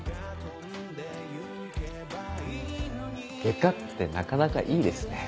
外科ってなかなかいいですね。